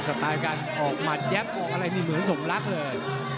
สไตล์การออกมาดแยปมีเหมือนหำลักเลย